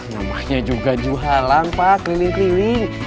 namanya juga juhalang pak keliling keliling